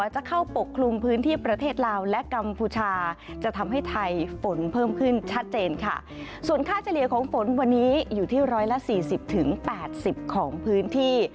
อยู่ที่๑๔๐๘๐ของพื้นที่